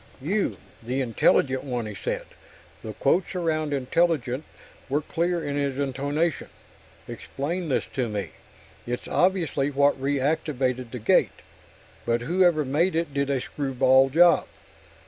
"You the 'intelligent' one," he said. The quotes around 'intelligent' were clear in his intonation. "Explain this to me. It's obviously what reactivated the gate but whoever made it did a screwball job.